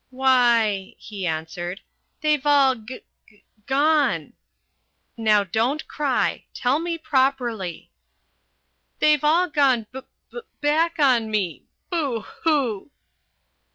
"Why," he answered, "they've all g g gone " "Now, don't cry! Tell me properly." "They've all gone b b back on me! Boo hoo!"